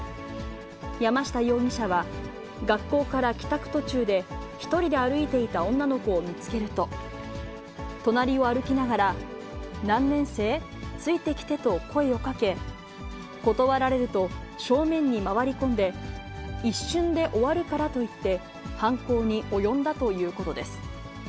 山下容疑者は、学校から帰宅途中で、１人で歩いていた女の子を見つけると、隣を歩きながら、何年生？ついてきてと声をかけ、断られると、正面に回り込んで一瞬で終わるからと言って犯行に及んだということです。